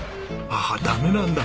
あっダメなんだ。